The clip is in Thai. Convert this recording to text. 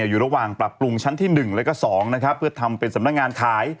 อยู่ระหว่างปรับปรุงชั้นที่๑แล้วก็๒นะครับเพื่อทำเป็นสำนักงานขาย